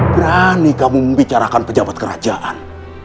berani kamu membicarakan pejabat kerajaan